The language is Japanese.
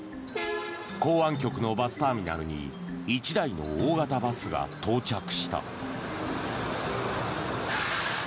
港湾局のバスターミナルに１台の大型バスが到着した。